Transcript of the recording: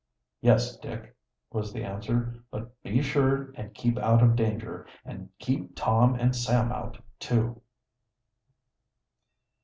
"Yes, Dick," was the answer. "But be sure and keep out of danger, and keep Tom and Sam out, too."